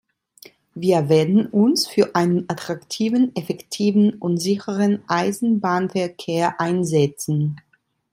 Wir werden uns für einen attraktiven, effektiven und sicheren Eisenbahnverkehr einsetzen.